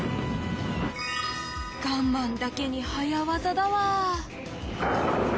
ガンマンだけに早わざだわ！